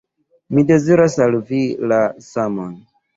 Mi deziras al vi la samon!